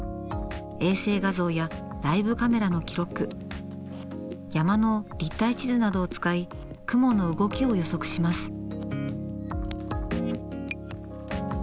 衛星画像やライブカメラの記録山の立体地図などを使い雲の動きを予測します。